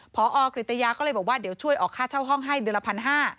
พอกริตยาก็เลยบอกว่าเดี๋ยวช่วยออกค่าเช่าห้องให้เดือนละพันห้า